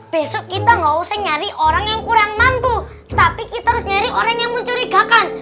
besok kita nggak usah nyari orang yang kurang mampu tapi kita harus nyari orang yang mencurigakan